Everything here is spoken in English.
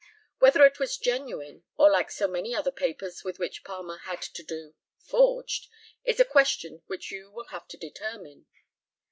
Whether it was genuine, or like so many other papers with which Palmer had to do, forged, is a question which you will have to determine.